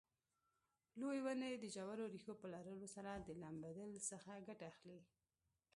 لویې ونې د ژورو ریښو په لرلو سره د لمدبل څخه ګټه اخلي.